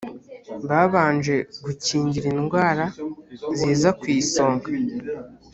babanje gukingira indwara ziza ku isonga